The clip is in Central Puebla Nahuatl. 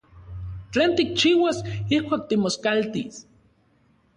¿Tlen tikchiuas ijkuak timoskaltis?